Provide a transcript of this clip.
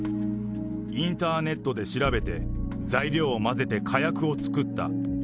インターネットで調べて、材料を混ぜて火薬を作った。